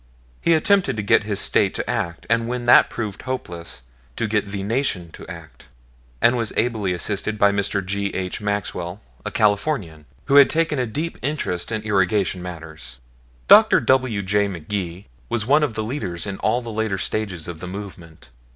He attempted to get his State to act, and when that proved hopeless to get the Nation to act; and was ably assisted by Mr. G. H. Maxwell, a Californian, who had taken a deep interest in irrigation matters. Dr. W. J. McGee was one of the leaders in all the later stages of the movement.